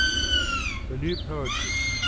THE NEW POETRY AND MR.